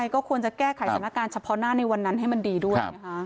ก็ควรจะแก้ไขสถานการณ์เฉพาะหน้าในวันนั้นให้มันดีด้วยนะคะ